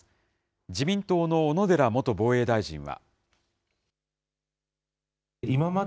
自民党の小野寺元防衛大臣は。